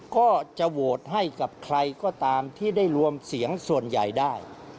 ก็จะโหวตให้กับใครก็ตามที่ได้รวมเสียงส่วนใหญ่ได้